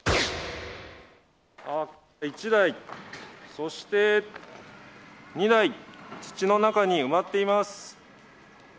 １台、そして２台、土の中に埋まっています。